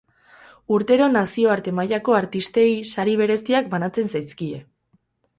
Urtero nazioarte mailako artistei sari bereziak banatzen zaizkide.